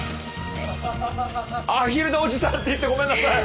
アヒルのおじさんって言ってごめんなさい！